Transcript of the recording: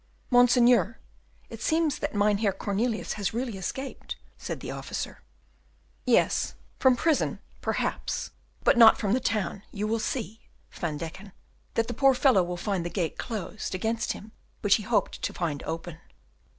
"Monseigneur, it seems that Mynheer Cornelius has really escaped," said the officer. "Yes, from prison, perhaps, but not from the town; you will see, Van Deken, that the poor fellow will find the gate closed against him which he hoped to find open."